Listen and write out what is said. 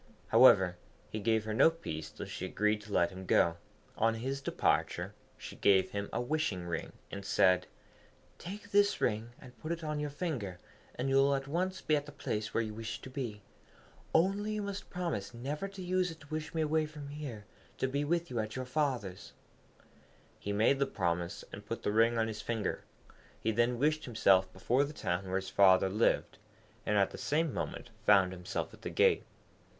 However, he gave her no peace till she agreed to let him go. On his departure she gave him a wishing ring, and said, 'Take this ring, and put it on your finger, and you will at once be at the place where you wish to be. Only, you must promise never to use it to wish me away from here to be with you at your father's.' He made the promise, and put the ring on his finger; he then wished himself before the town where his father lived, and at the same moment found himself at the gate.